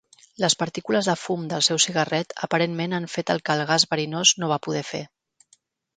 Les partícules de fum del seu cigarret aparentment han fet el que el gas verinós no va poder fer.